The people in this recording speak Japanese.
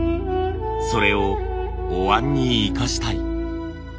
それをお椀に生かしたい。